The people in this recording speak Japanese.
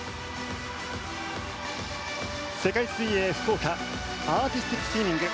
世界水泳福岡アーティスティックスイミング。